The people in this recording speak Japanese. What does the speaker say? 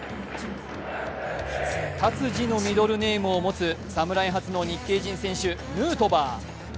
タツジのミドルネームを持つ侍初の日系人選手・ヌートバー。